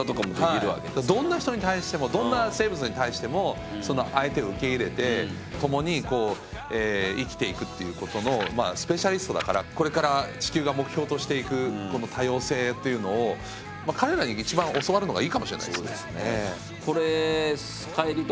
どんな人に対してもどんな生物に対してもその相手を受け入れて共に生きていくっていうことのスペシャリストだからこれから地球が目標としていく多様性っていうのを彼らに一番教わるのがいいかもしれないですね。